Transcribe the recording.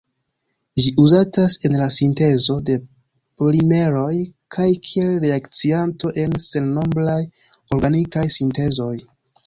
Ĝi uzatas en la sintezo de polimeroj kaj kiel reakcianto en sennombraj organikaj sintezoj.